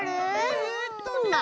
えっとね。